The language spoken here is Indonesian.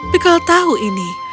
pickel tahu ini